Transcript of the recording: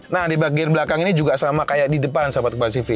nah di bagian belakang ini juga sama kayak di depan sahabat mbak sivi